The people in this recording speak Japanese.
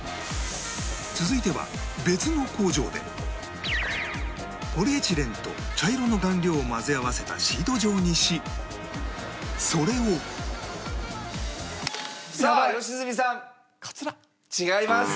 続いては別の工場でポリエチレンと茶色の顔料を混ぜ合わせたシート状にしそれをさあ良純さん。違います。